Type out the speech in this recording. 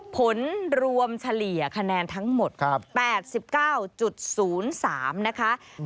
ผลรวมเฉลี่ยคะแนนทั้งหมด๘๙๐๓นะคะ